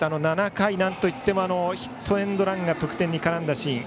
７回、なんといってもヒットエンドランが得点に絡んだシーン。